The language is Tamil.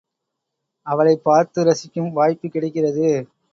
அவளைப் பார்த்து ரசிக்கும் வாய்ப்புக் கிடைக்கிறது.